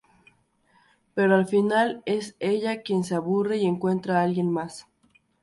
Pero al final, es ella quien se aburre y encuentra a alguien más.